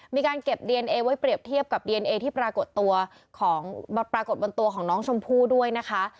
มีการเก็บดีเอนเอไว้เปรียบเทียบกับดีเอนเอที่ปรากฏตัวของปรากฏบนตัวของน้องชมพู่ด้วยนะคะ